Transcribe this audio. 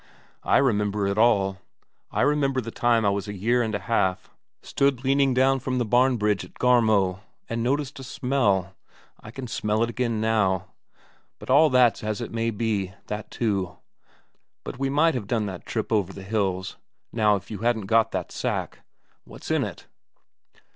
I remember it all. I remember from the time I was a year and a half; stood leaning down from the barn bridge at Garmo, and noticed a smell. I can smell it again now. But all that's as it may be, that too; but we might have done that trip over the hills now if you hadn't got that sack. What's in it?"